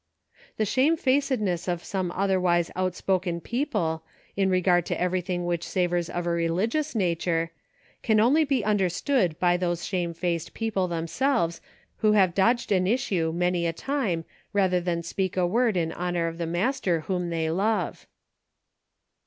The shamefacedness of some otherwise out spoken people, in regard to everything which savors of a religious nature, can only be under stood by those shamefaced people themselves who have dodged an issue many a time rather than speak a word in honor of the Master whom they love.